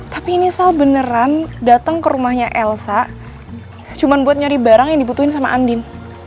tapi ini saya beneran datang ke rumahnya elsa cuma buat nyari barang yang dibutuhin sama andin